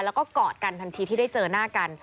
แล้วก็กอดกันทันทีที่ได้เจอหน้ากัน